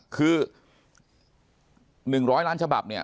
คือ๑๐๐ล้านฉบับเนี่ย